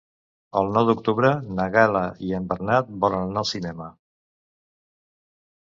El nou d'octubre na Gal·la i en Bernat volen anar al cinema.